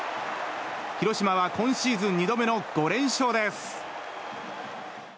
広島は今シーズン２度目の５連勝です。